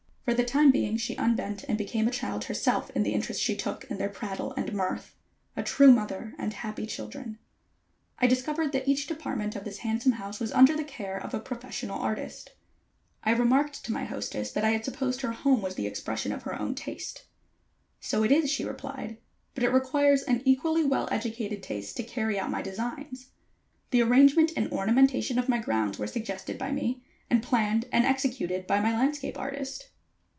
For the time being she unbent, and became a child herself in the interest she took in their prattle and mirth. A true mother and happy children. I discovered that each department of this handsome home was under the care of a professional artist. I remarked to my hostess that I had supposed her home was the expression of her own taste. "So it is," she replied; "but it requires an equally well educated taste to carry out my designs. The arrangement and ornamentation of my grounds were suggested by me, and planned and executed by my landscape artist."